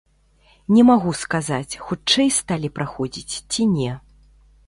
Не магу сказаць, хутчэй сталі праходзіць ці не.